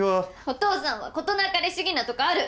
お父さんは事なかれ主義なとこある。